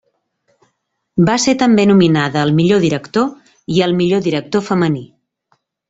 Va ser també nominada al millor director i al millor director femení.